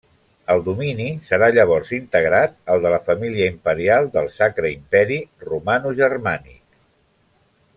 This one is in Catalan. El domini serà llavors integrat al de la família imperial del Sacre Imperi Romanogermànic.